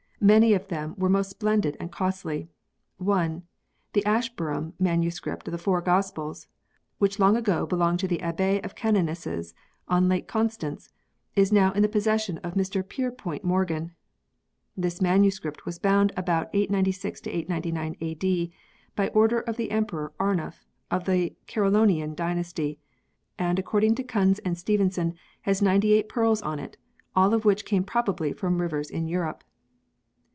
Many of them were most splendid and costly. One, the Ash bur nham manuscript of the Four Gospels, which long ago belonged to the Abbey of Canonesses on Lake Constance, is now in the possession of Mr Pierpoint Morgan. This MS. was bound about 896899 A.D. by order of the Emperor Arnulf of the Carolingian dynasty, and according to Kunz and Stevenson has 98 pearls on it, all of which came probably from rivers in Europe.